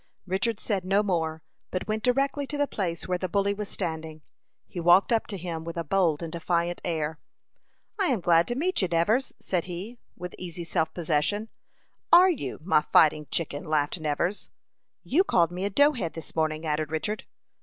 Richard said no more, but went directly to the place where the bully was standing. He walked up to him with a bold and defiant air. "I am glad to meet you, Nevers," said he, with easy self possession. "Are you, my fighting chicken?" laughed Nevers. "You called me a dough head this morning," added Richard.